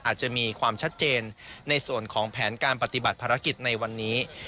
อาจจะมีความชัดเจนในส่วนของแผนการปฏิบัติภารกิจในวันนี้